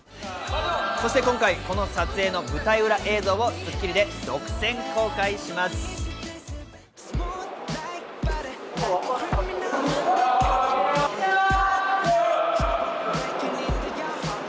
今回、この撮影の舞台裏映像を『スッキリ』で独占公開します。